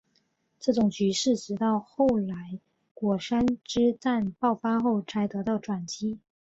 这种局势直到后来稷山之战爆发后才得到转机。